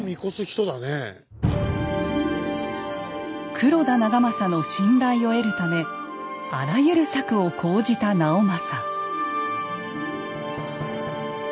黒田長政の信頼を得るためあらゆる策を講じた直政。